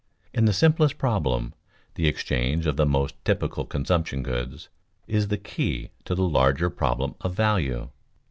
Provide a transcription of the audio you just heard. In the simplest problem, the exchange of the most typical consumption goods, is the key to the larger problem of value.